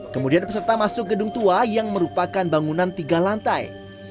kemudian peserta masuk gedung tua yang merupakan bangunan tiga lantai